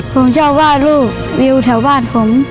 ผมชอบว่าลูกวิวแถวบ้านผม